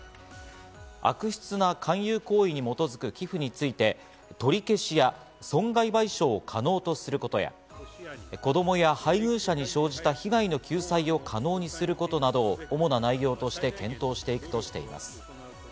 悪質な勧誘行為に基づく寄付について取り消しや損害賠償を可能とすることや、子供や配偶者に生じた被害の救済を可能にすることなどを主な内容として検討していくとしています。